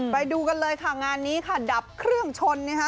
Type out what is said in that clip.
ไปดูกันเลยค่ะงานนี้ค่ะดับเครื่องชนนะคะ